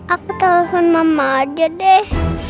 aku telpon mama aja deh